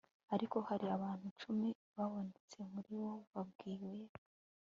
ariko hari abantu cumi babonetse muri bo babwiye